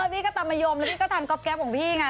พี่ก็ตามมะยมแล้วพี่ก็ทำก๊อบแป๊บของพี่ไง